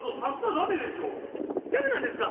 だめなんですか？